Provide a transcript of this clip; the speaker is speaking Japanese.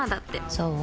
そう？